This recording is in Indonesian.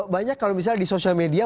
banyak kalau misalnya di sosial media